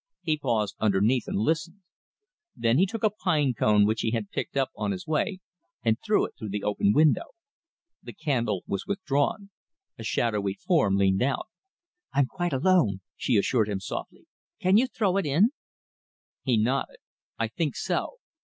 He paused underneath and listened. Then he took a pine cone which he had picked up on his way and threw it through the open window. The candle was withdrawn. A shadowy form leaned out. "I'm quite alone," she assured him softly. "Can you throw it in?" He nodded. "I think so."